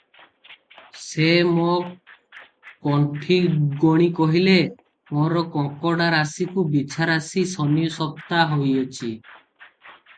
ସେ ମୋ’ କୋଷ୍ଠି ଗଣି କହିଲେ, ‘ମୋର କକଡ଼ା ରାଶିକୁ ବିଛା ରାଶି ଶନିସପ୍ତା ହୋଇଛି ।